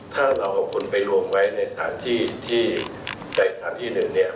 ถ้าเราเอาคนไปรวมไว้ในสถานที่ที่สถานที่หนึ่งเนี่ย